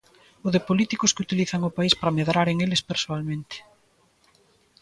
O de políticos que utilizan o país para medraren eles persoalmente.